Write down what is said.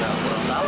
ya kurang tau